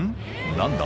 何だ？